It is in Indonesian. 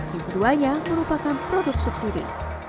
yang keduanya merupakan produk subsidi